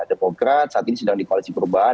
demokrat saat ini sedang di koalisi perubahan